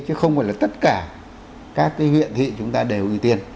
chứ không phải là tất cả các cái huyện thị chúng ta đều ưu tiên